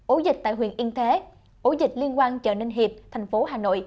ổ dịch tại huyện yên thế ổ dịch liên quan chợ ninh hiệp thành phố hà nội